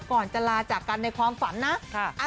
ก่อนจะลาจากกันในความฝันนะ